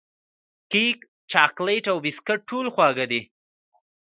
کیک، چاکلېټ او بسکوټ ټول خوږې دي.